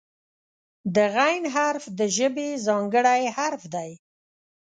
د "غ" حرف د ژبې ځانګړی حرف دی.